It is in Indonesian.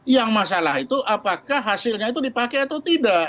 yang masalah itu apakah hasilnya itu dipakai atau tidak